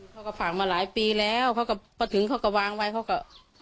เขาก็ฝากมาหลายปีแล้วเขาก็พอถึงเขาก็วางไว้เขาก็